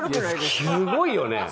すごいよね。